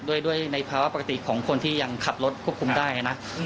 ด้วยในภาวะปกติของคนที่ยังขับรถควบคุมได้นะ